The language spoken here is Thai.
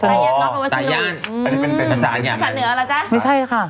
เราเป็นตาย่านเนาะ